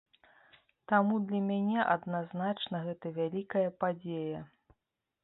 Таму для мяне адназначна гэта вялікая падзея.